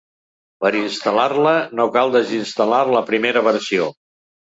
Per instal·lar-la no cal desinstal·lar la primera versió.